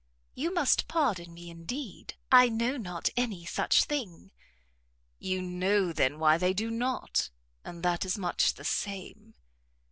"You must pardon me, indeed, I know not any such thing." "You know, then, why they do not, and that is much the same."